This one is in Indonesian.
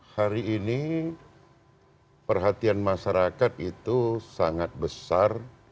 hari ini perhatian masyarakat itu sangat besar